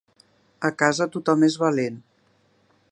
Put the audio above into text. A casa tothom és valent